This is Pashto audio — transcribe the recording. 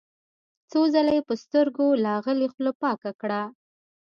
څو ځله يې پر سترګو لاغلې خوله پاکه کړه.